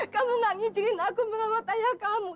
kamu gak ngijinin aku mengelamat ayah kamu